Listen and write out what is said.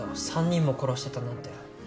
３人も殺してたなんて。